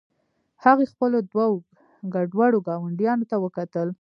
هغې خپلو دوو ګډوډو ګاونډیانو ته وکتل